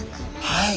はい。